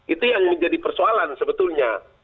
itu yang menjadi persoalan sebetulnya